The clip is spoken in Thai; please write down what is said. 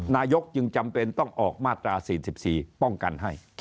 นายกจึงจำเป็นต้องออกมาตรา๔๔ป้องกันให้